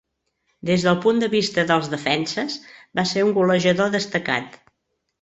Des del punt de vista dels defenses, va ser un golejador destacat.